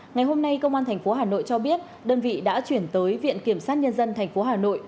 ngày hôm nay công an thành phố hà nội cho biết đơn vị đã chuyển tới viện kiểm sát nhân dân thành phố hà nội